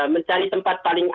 mencari tempat paling utuh